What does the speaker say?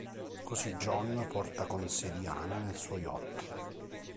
Così, John porta con sé Diana nel suo yacht.